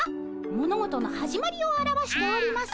物事の始まりを表しております。